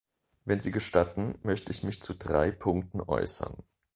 Wenn Sie gestatten, möchte ich mich zu drei Punkten äußern.